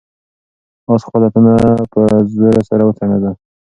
آس خپله تنه په زور سره وڅنډله.